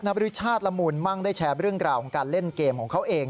บริชาติละมูลมั่งได้แชร์เรื่องราวของการเล่นเกมของเขาเอง